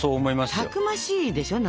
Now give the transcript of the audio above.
たくましいでしょ？